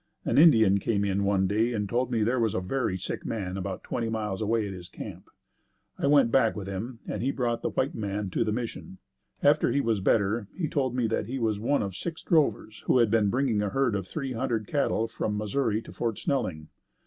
An Indian came in one day and told me there was a very sick man about twenty miles away at his camp. I went back with him and we brought the white man to the mission. After he was better, he told me that he was one of six drovers who had been bringing a herd of three hundred cattle from Missouri to Fort Snelling.